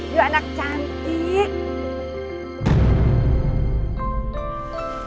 dua anak cantik